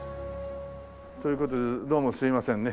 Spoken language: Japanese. という事でどうもすいませんね。